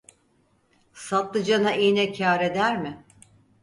Satlıcana iğne kar eder mi?